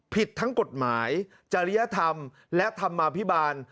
ผิดทั้งกฎหมายจริยธรรมและธรรมาภิบาล